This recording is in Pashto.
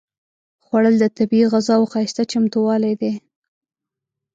خوړل د طبیعي غذاوو ښايسته چمتووالی دی